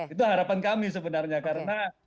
itu harapan kami sebenarnya